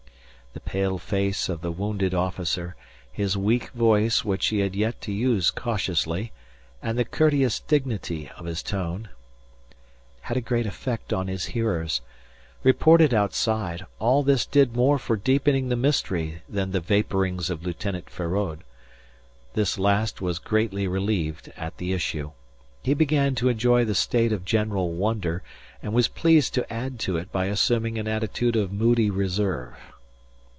The pale face of the wounded officer, his weak voice which he had yet to use cautiously, and the courteous dignity of his tone, had a great effect on his hearers. Reported outside, all this did more for deepening the mystery than the vapourings of Lieutenant Feraud. This last was greatly relieved at the issue. He began to enjoy the state of general wonder, and was pleased to add to it by assuming an attitude of moody reserve.